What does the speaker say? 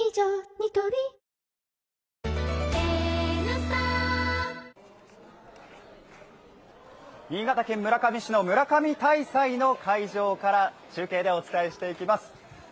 ニトリ新潟県村上市の村上大祭の会場から中継でお伝えしていきます。